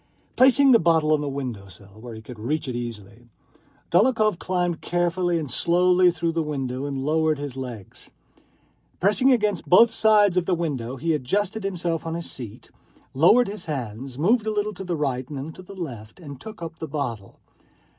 Placing the bottle on the window sill where he could reach it easily, Dólokhov climbed carefully and slowly through the window and lowered his legs. Pressing against both sides of the window, he adjusted himself on his seat, lowered his hands, moved a little to the right and then to the left, and took up the bottle.